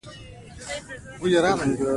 غایطه توکو د کلکېدو لامل کېږي.